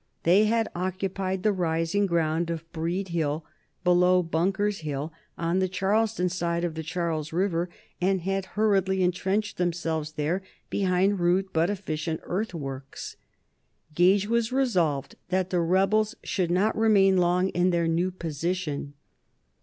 They had occupied the rising ground of Breed Hill, below Bunker's Hill, on the Charlestown side of the Charles River, and had hurriedly intrenched themselves there behind rude but efficient earthworks. Gage was resolved that the rebels should not remain long in their new position.